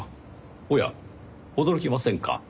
おや驚きませんか？